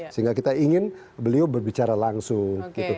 sehingga kita ingin beliau berbicara langsung